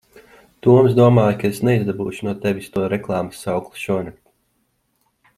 Toms domāja, ka es neizdabūšu no tevis to reklāmas saukli šonakt.